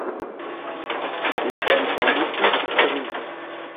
Li enkondukis tri.